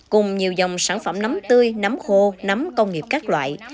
cùng nhiều dòng sản phẩm nắm tươi nắm khô nắm công nghiệp các loại